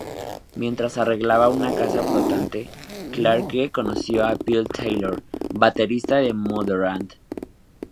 Mientras arreglaba una casa flotante, Clarke conoció a Phil Taylor, baterista de Motörhead.